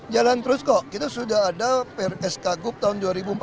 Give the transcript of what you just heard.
jalan terus kok kita sudah ada skgup tahun dua ribu empat belas